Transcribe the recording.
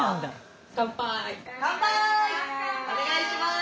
お願いします。